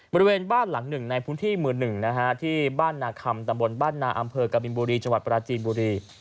บริเวณบ้านหลังหนึ่งในพื้นที่หมู่๑ที่บ้านนาคำตำบลบ้านนาอำเภอกบินบุรีจังหวัดปราจีนบุรี